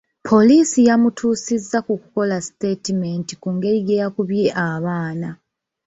Poliisi yamutuusiza ku kukola siteetimenti ku ngeri ge yakubye abaana.